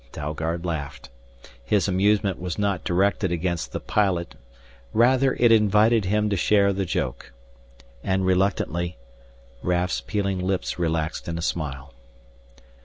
Dalgard laughed. His amusement was not directed against the pilot, rather it invited him to share the joke. And reluctantly, Raf's peeling lips relaxed in a smile.